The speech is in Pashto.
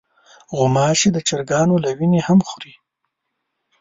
غوماشې د چرګانو له وینې هم خوري.